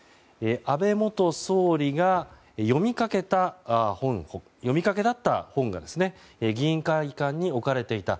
安倍元総理が読みかけだった本が議員会館に置かれていた。